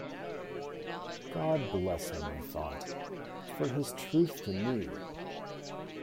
"God bless him," I thought, "for his truth to me!"